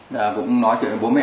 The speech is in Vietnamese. rồi cũng nói chuyện với bố mẹ